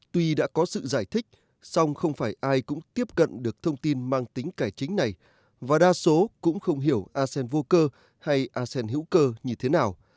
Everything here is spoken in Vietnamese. tuy đã có sự giải thích song không phải ai cũng tiếp cận được thông tin mang tính cải chính này và đa số cũng không hiểu asean vô cơ hay asean hữu cơ như thế nào